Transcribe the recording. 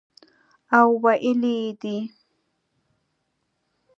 او ویلي یې دي